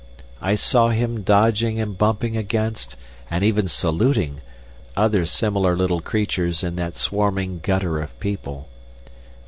I saw him dodging and bumping against, and even saluting, other similar little creatures in that swarming gutter of people.